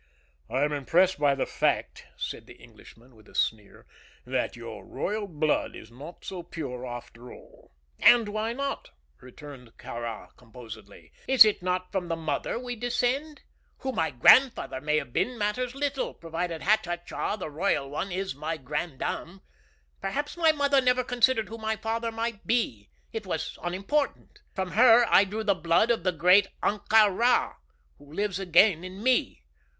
"I am impressed by the fact," said the Englishman, with a sneer, "that your royal blood is not so pure after all." "And why not?" returned Kāra, composedly. "Is it not from the mother we descend? Who my grandfather may have been matters little, provided Hatatcha, the royal one, is my granddame. Perhaps my mother never considered who my father might be; it was unimportant. From her I drew the blood of the great Ahtka Rā, who lives again in me.